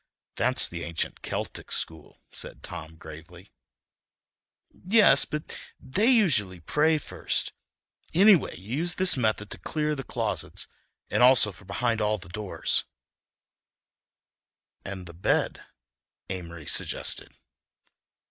"Of course, that's the ancient Celtic school," said Tom gravely. "Yes—but they usually pray first. Anyway, you use this method to clear the closets and also for behind all doors—" "And the bed," Amory suggested.